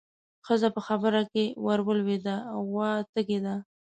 ښځه په خبره کې ورولوېده: غوا تږې ده.